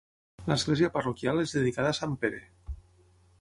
L'església parroquial és dedicada a sant Pere.